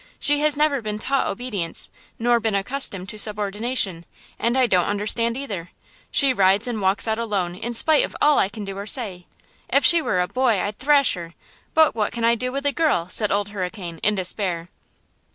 She has never been taught obedience nor been accustomed to subordination, and I don't understand either. She rides and walks out alone in spite of all I can do or say. If she were a boy I'd thrash her; but what can I do with a girl?" said Old Hurricane, in despair.